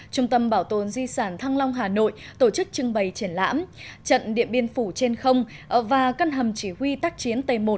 trung tâm bảo tồn di sản thăng long hà nội tổ chức trưng bày triển lãm trận điện biên phủ trên không và căn hầm chỉ huy tác chiến t một